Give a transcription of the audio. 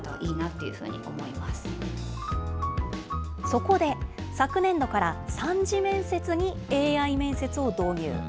そこで、昨年度から３次面接にＡＩ面接を導入。